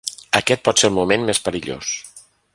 Aquest pot ser el moment més perillós.